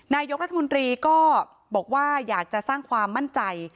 นายกรัฐมนตรีก็บอกว่าอยากจะสร้างความมั่นใจ